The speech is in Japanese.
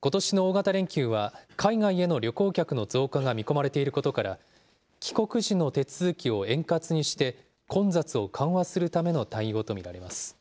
ことしの大型連休は海外への旅行客の増加が見込まれていることから、帰国時の手続きを円滑にして、混雑を緩和するための対応と見られます。